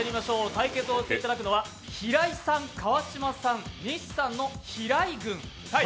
対決をしていただくのは、平井さん川島さん、西さんの平井軍。